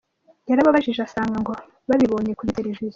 Yarababajije asanga ngo babibonye kuri televiziyo.